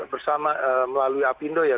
bersama melalui apindo ya